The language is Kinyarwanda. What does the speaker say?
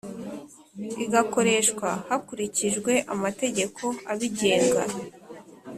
Igakoreshwa hakurikijwe amategeko abigenga